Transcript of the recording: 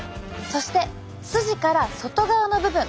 そして筋から外側の部分。